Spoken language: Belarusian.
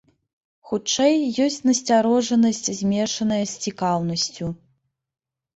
Хутчэй, ёсць насцярожанасць змешаная з цікаўнасцю.